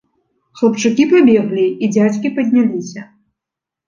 Хлапчукі пабеглі, і дзядзькі падняліся.